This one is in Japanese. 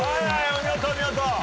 お見事お見事。